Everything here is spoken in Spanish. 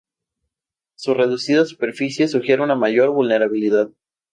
Su reducida superficie sugiere una mayor vulnerabilidad.